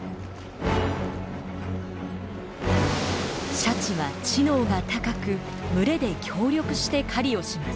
シャチは知能が高く群れで協力して狩りをします。